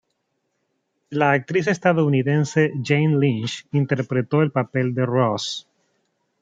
La actriz estadounidense Jane Lynch interpretó el papel de Roz.